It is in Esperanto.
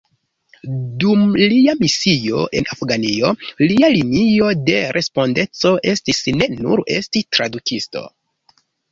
Dum lia misio en Afganio lia linio de respondeco estis ne nur esti tradukisto.